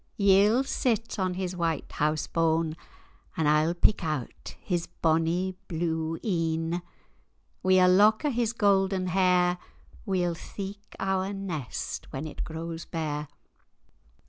Ye'll sit on his white hause bane,[#] And I'll pick out his bonny blue een: Wi' ae lock o' his gowden hair, We'll theek[#] our nest when it grows bare.